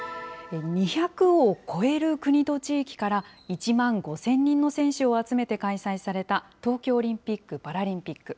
２００を超える国と地域から、１万５０００人の選手を集めて開催された、東京オリンピック・パラリンピック。